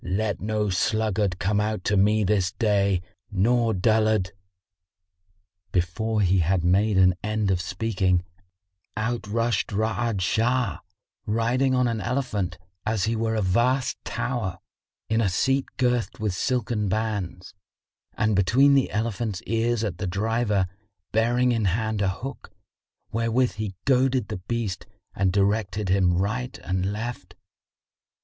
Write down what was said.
Let no sluggard come out to me this day nor dullard!" Before he had made an end of speaking, out rushed Ra'ad Shah, riding on an elephant, as he were a vast tower, in a seat girthed with silken bands; and between the elephant's ears sat the driver, bearing in hand a hook, wherewith he goaded the beast and directed him right and left.